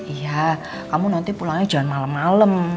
iya kamu nanti pulangnya jangan malem malem